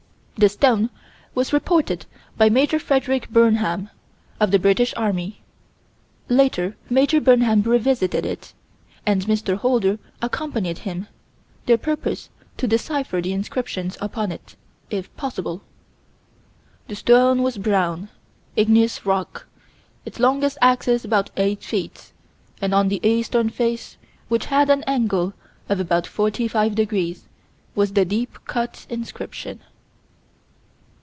This stone was reported by Major Frederick Burnham, of the British Army. Later Major Burnham revisited it, and Mr. Holder accompanied him, their purpose to decipher the inscriptions upon it, if possible. "This stone was a brown, igneous rock, its longest axis about eight feet, and on the eastern face, which had an angle of about forty five degrees, was the deep cut inscription."